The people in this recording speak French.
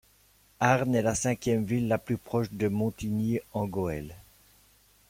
Harnes est la cinquième ville la plus proche de Montigny-en-Gohelle.